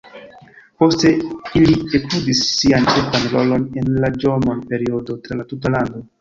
Poste ili ekludis sian ĉefan rolon en la Ĵomon-periodo tra la tuta lando.